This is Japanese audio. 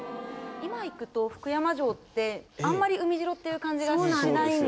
今行くと福山城ってあんまり海城っていう感じがしないんですけれど。